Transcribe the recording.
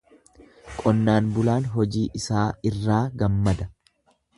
Qonnaan bulaan hojii isaa irraa gammada.